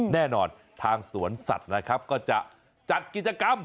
แน่นอนทางสวนสัตว์นะครับก็จะจัดกิจกรรม